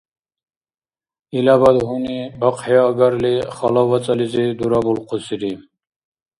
Илабад гьуни бахъхӀиагарли Хала вацӀализи дурабулхъусири.